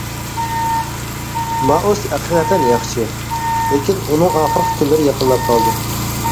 مائۇس ھەقىقەتەن ياخشى، لېكىن ئۇنىڭ ئاخىرقى كۈنلىرى يېقىنلاپ قالدى.